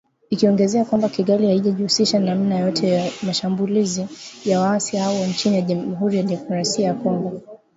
ikiongezea kwamba Kigali haijihusishi kwa namna yoyote na mashambulizi ya waasi hao nchini Jamuhuri ya Demokrasia ya Kongo